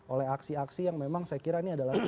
oleh aksi aksi yang memang saya kira ini adalah